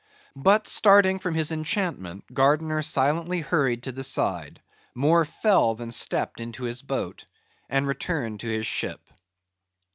But starting from his enchantment, Gardiner silently hurried to the side; more fell than stepped into his boat, and returned to his ship.